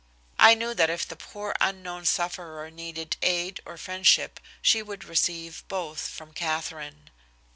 I knew that if the poor unknown sufferer needed aid or friendship, she would receive both from Katherine.